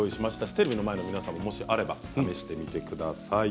テレビの前の皆さんも、もしあればしてみてください。